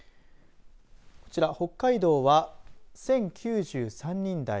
こちら北海道は１０９３人台。